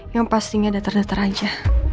yang pastinya dater dater aja